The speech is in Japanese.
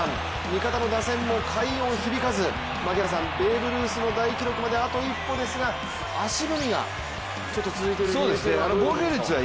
味方の打線も快音響かずベーブ・ルースの大記録まであと一歩ですが、足踏みがちょっと続いている理由は？